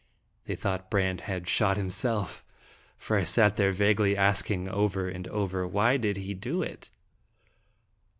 They thought Brande had shot himself, for I sat there vaguely asking over and over :" Why did he doit?"